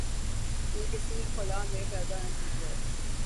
یہ کسی خلا میں پیدا نہیں ہوئے۔